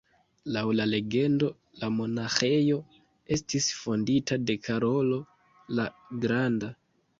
Laŭ la legendo la monaĥejo estis fondita de Karolo la Granda.